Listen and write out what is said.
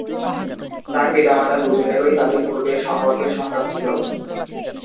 তার পিতামাতা দুজনেরই তাদের পূর্বের সম্পর্কের সন্তান ছিল।